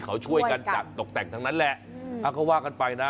เขาช่วยกันจัดตกแต่งทั้งนั้นแหละก็ว่ากันไปนะ